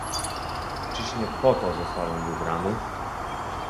Czyż nie po to zostałem wybrany?